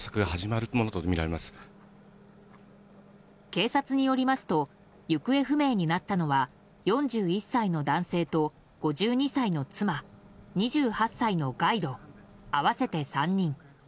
警察によりますと行方不明になったのは４１歳の男性と５２歳の妻２８歳のガイド、合わせて３人。